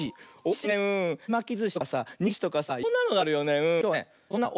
てまきずしとかさにぎりずしとかさいろんなのがあるよね。